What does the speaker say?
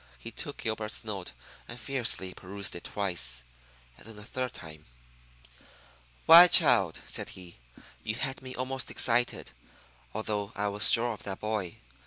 He took Gilbert's note and fiercely perused it twice, and then a third time. "Why, child," said he, "you had me almost excited, although I was sure of that boy.